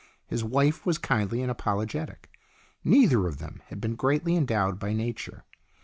His wife was kindly and apologetic. Neither of them had been greatly endowed by nature.